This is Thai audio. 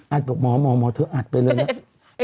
อัดต่อหมอหมอเธออัดไปเลยนะ